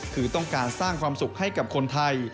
คือต้องการสร้างความสุขให้กับคนไทย